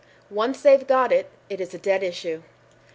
I "Once they've got it, it is a dead issue."